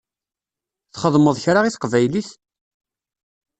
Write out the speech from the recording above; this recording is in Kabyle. Txedmeḍ kra i teqbaylit?